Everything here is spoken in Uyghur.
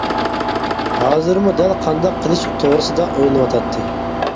ھازىرمۇ دەل قانداق قىلىش توغرىسىدا ئويلىنىۋاتاتتى.